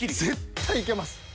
絶対いけます。